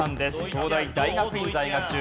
東大大学院在学中。